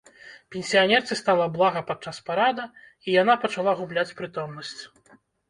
Пенсіянерцы стала блага падчас парада, і яна пачала губляць прытомнасць.